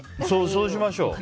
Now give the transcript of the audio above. そうしましょう。